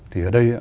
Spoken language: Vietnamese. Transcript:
thì ở đây á